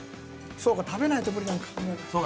そうか食べないと無理なんか。